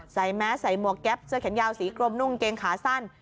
แม้ใส่หมวกแก๊ปเสื้อแขนยาวสีกลมนุ่งเกงขาสั้น